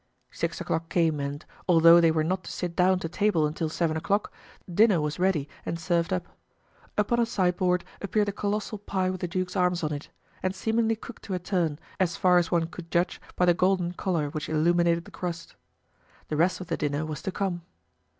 Six o'clock came and, although they were not to sit down to table until seven o'clock, dinner was ready and served up. Upon a sideboard appeared the colossal pie with the duke's arms on it, and seemingly cooked to a turn, as far as one could judge by the golden color which illuminated the crust. The rest of the dinner was to come.